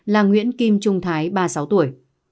là nguyễn kim trung thái ba mươi sáu tuổi